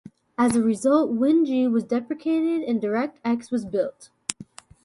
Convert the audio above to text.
As a result, WinG was deprecated and DirectX was built.